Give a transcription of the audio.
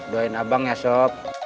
doain abang ya sob